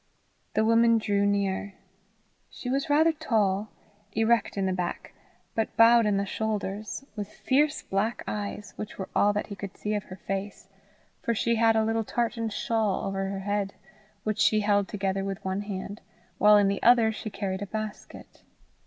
The woman drew near. She was rather tall, erect in the back, but bowed in the shoulders, with fierce black eyes, which were all that he could see of her face, for she had a little tartan shawl over her head, which she held together with one hand, while in the other she carried a basket.